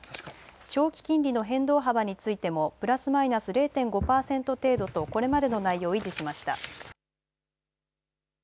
長期金利の変動幅についてもプラスマイナス０．５％程度とこれまでの内容を維持しました。